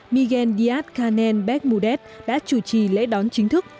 miguel díaz canel beck mudet đã chủ trì lễ đón chính thức